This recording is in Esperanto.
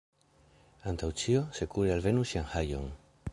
Antaŭ ĉio, sekure alvenu Ŝanhajon.